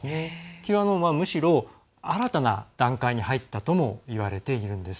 Ｑアノンはむしろ新たな段階に入ったとも言われているんです。